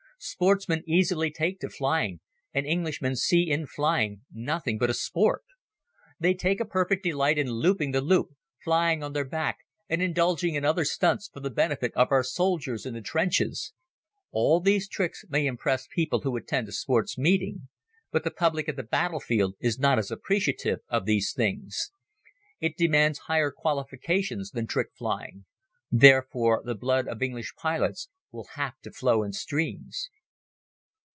Sportsmen easily take to flying, and Englishmen see in flying nothing but a sport. They take a perfect delight in looping the loop, flying on their back, and indulging in other stunts for the benefit of our soldiers in the trenches. All these tricks may impress people who attend a Sports Meeting, but the public at the battle front is not as appreciative of these things. It demands higher qualifications than trick flying. Therefore, the blood of English pilots will have to flow in streams.